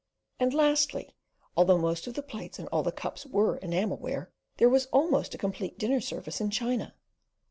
And lastly, although most of the plates and all the cups were enamel ware, there was almost a complete dinner service in china.